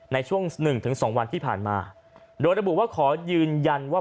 ในช่วง๑๒วันที่ผ่านมาโดยระบุว่าขอยืนยันว่า